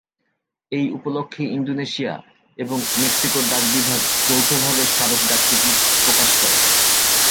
এই উপলক্ষ্যে ইন্দোনেশিয়া এবং মেক্সিকোর ডাক বিভাগ যৌথভাবে স্মারক ডাকটিকিট প্রকাশ করে।